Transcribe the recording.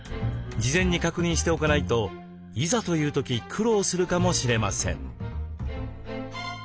事前に確認しておかないといざという時苦労するかもしれません。